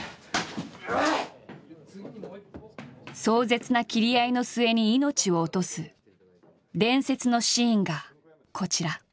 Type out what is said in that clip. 壮絶な斬り合いの末に命を落とす伝説のシーンがこちら。